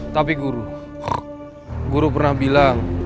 tapi guru guru pernah bilang